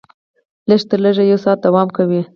لږ تر لږه یو ساعت دوام کوي.